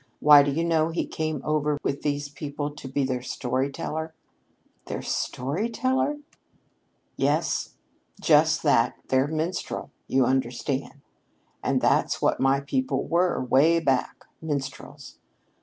Why, do you know, he came over with these people to be their story teller!" "Their story teller?" "Yes, just that their minstrel, you understand. And that's what my people were, 'way back, minstrels.